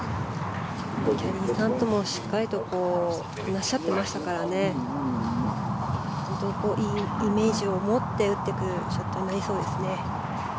キャディーさんともしっかり話し合っていましたからいいイメージを持って打ってくるショットになると思いますね。